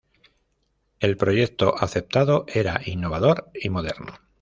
El proyecto aceptado era innovador y moderno.